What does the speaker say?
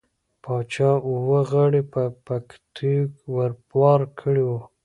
باچا اوه غاړۍ په بتکيو ور بار کړې.